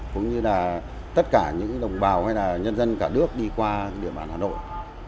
cũng như tất cả những đồng bào hay nhân dân cả nước đi qua địa bàn hà nội